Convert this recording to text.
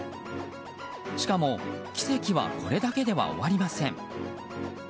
しかも、奇跡はこれだけでは終わりません。